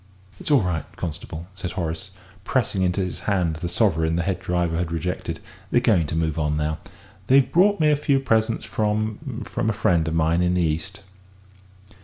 "It's all right, constable," said Horace, pressing into his hand the sovereign the head driver had rejected; "they're going to move on now. They've brought me a few presents from from a friend of mine in the East."